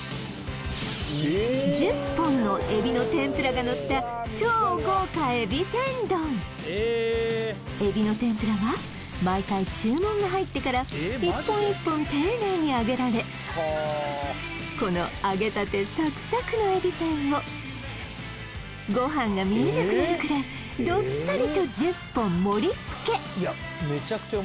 １０本のえびの天ぷらがのった超豪華えびの天ぷらは毎回注文が入ってから一本一本丁寧に揚げられこの揚げたてサクサクのえび天をご飯が見えなくなるくらいどっさりと１０本盛りつけ！